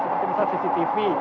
seperti misalnya cctv